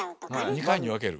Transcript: ２回に分ける？